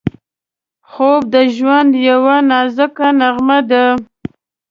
خوب د ژوند یوه نازکه نغمه ده